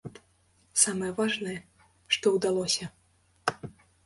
Самае важнае, што ўдалося.